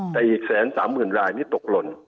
แต่อีกแสนสามหมื่นรายนี่ตกหล่น